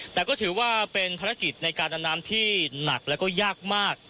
แต่ก็ถือว่าเป็นภารกิจในการดำน้ำที่หนักแล้วก็ยากมาก